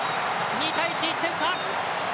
２対１、１点差。